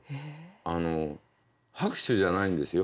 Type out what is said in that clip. あの拍手じゃないんですよ。